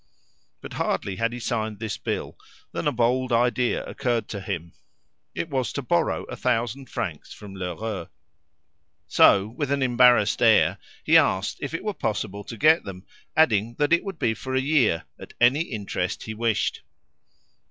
But hardly had he signed this bill than a bold idea occurred to him: it was to borrow a thousand francs from Lheureux. So, with an embarrassed air, he asked if it were possible to get them, adding that it would be for a year, at any interest he wished.